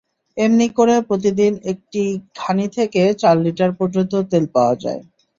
এমনি করে প্রতিদিন একটি ঘানি থেকে চার লিটার পর্যন্তু তেল পাওয়া যায়।